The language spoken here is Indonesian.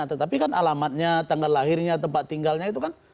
tetapi kan alamatnya tanggal lahirnya tempat tinggalnya itu kan